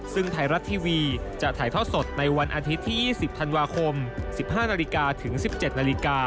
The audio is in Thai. ซึ่งไทรัตทีวีจะถ่ายเท่าสดในวันอาทิตย์ที่๒๐ธันวาคม๑๕นถึง๑๗น